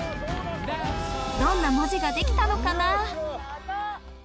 どんな文字ができたのかな？